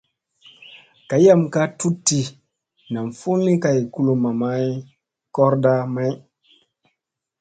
Gayam ka tuɗti nam fulli kay kulumma may koorda may.